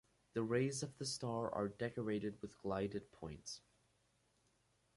The rays of the star are decorated with gilded points.